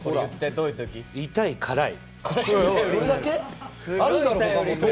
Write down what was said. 痛い、辛い。